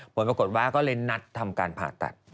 ผลปรากฏว่าก็เลยนัดทำการผ่าตัด